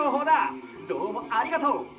どうもありがとう！